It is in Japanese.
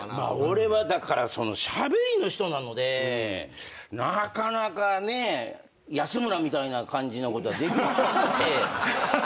俺はだからしゃべりの人なのでなかなかね安村みたいな感じのことはできない。